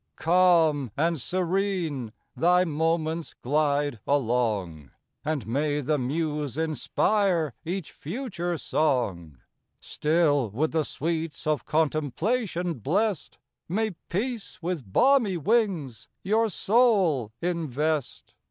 Calm and serene thy moments glide along, And may the muse inspire each future song! Still, with the sweets of contemplation bless'd, May peace with balmy wings your soul invest!